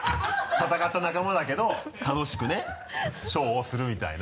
戦った仲間だけど楽しくねショーをするみたいな。